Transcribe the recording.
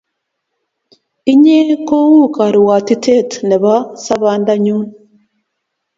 inye ko u karwatitet nebo sabonda nyun